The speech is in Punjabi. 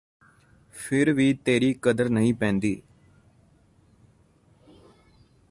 ਫਿਰ ਵੀ ਤੇਰੀ ਕਦਰ ਨਹੀਂ ਪੈਂਦੀ